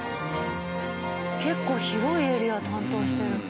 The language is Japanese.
結構広いエリア担当してる。